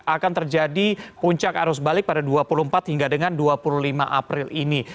akan terjadi puncak arus balik pada dua puluh empat hingga dengan dua puluh lima april ini